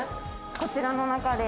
こちらの中で。